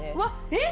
えっ。